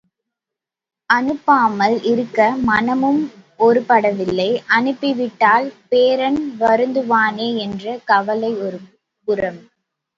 அனுப்பாமல் இருக்க மனமும் ஒருப்படவில்லை அனுப்பாவிட்டால் பேரன் வருந்துவானே என்ற கவலை ஒருபுறம்.